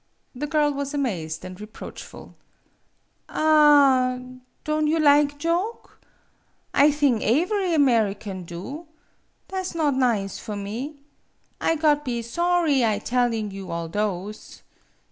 The girl was amazed 'and reproachful. "Ah h h! Don' you lig joke? I thing aevery American do. Tha' 's not nize for me. I got be sawry I telling you all those.